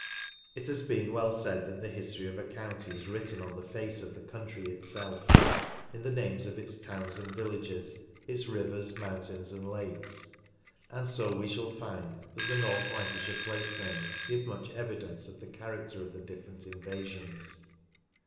It has been well said that the history of a country is written on the face of the country itself — in the names of its towns and villages, its rivers, mountains, and lakes. 88 NORTH LANCASHIRE And so we shall find that the North Lancashire place names give much evidence of the character of the different invasions.